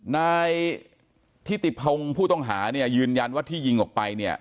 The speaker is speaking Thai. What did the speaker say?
นายทิติพงศ์ผู้ต้องหาเนี่ยยืนยันว่าที่ยิงออกไปเนี่ย